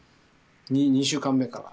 ２週間目から。